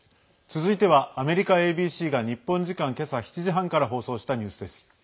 続いてはアメリカＡＢＣが日本時間けさ７時半から放送したニュースです。